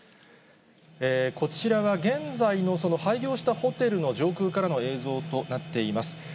こちらは現在のその廃業したホテルの上空からの映像となっています。